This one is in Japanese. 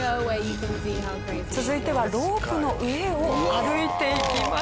続いてはロープの上を歩いていきます。